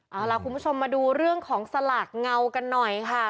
เอาล่ะคุณผู้ชมมาดูเรื่องของสลากเงากันหน่อยค่ะ